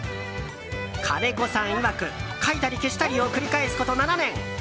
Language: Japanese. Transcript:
金子さんいわく描いたり消したりを繰り返すこと７年。